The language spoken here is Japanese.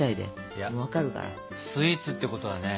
いやスイーツってことはね